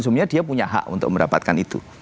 sebenarnya dia punya hak untuk mendapatkan itu